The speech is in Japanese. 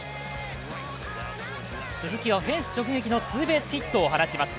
鈴木はフェンス直撃のツーベースヒットを放ちます。